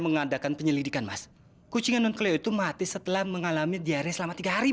mengadakan penyelidikan mas kucingan non keliu itu mati setelah mengalami diare selama tiga hari